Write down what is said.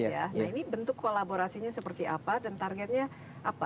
nah ini bentuk kolaborasinya seperti apa dan targetnya apa